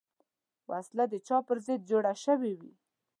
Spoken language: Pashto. وسله د چا پر ضد جوړه شوې وي